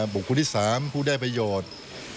บุคคลที่๓ผู้ได้ประโยชน์